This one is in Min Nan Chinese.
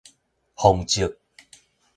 皇叔